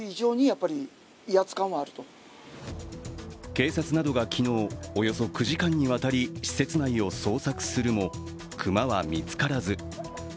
警察などが昨日およそ９時間にわたり施設内を捜索するも熊は見つからず。